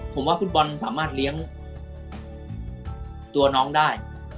ผมว่าฟุตบอลสามารถเลี้ยงตัวน้องได้